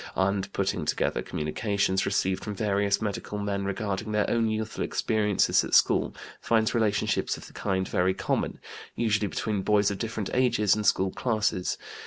2), and putting together communications received from various medical men regarding their own youthful experiences at school, finds relationships of the kind very common, usually between boys of different ages and school classes.